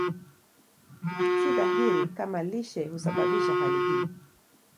Si dhahiri kama lishe husababisha hali hii.